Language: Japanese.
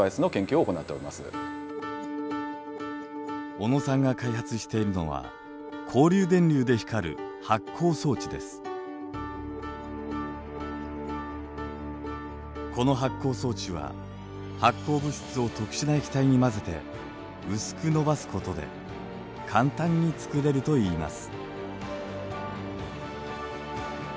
小野さんが開発しているのはこの発光装置は発光物質を特殊な液体に混ぜて薄く伸ばすことで簡単に作れるといいます。